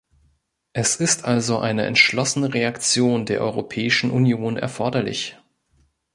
Es ist also eine entschlossene Reaktion der Europäischen Union erforderlich.